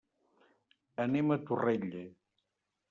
Anem a Torrella.